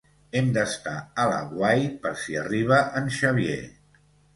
Hem d'estar a l'aguait per si arriba en Xavier.